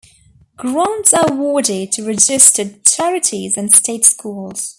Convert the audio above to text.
Grants are awarded to registered charities and state schools.